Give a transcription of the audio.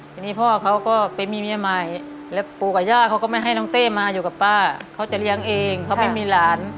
ทีนี้พ่อเขาก็ไปมีเมียใหม่แล้วปูกับย่าเขาก็ไม่ให้น้องเต้มาอยู่กับป้าเขาจะเลี้ยงเองเขาไม่มีหลาน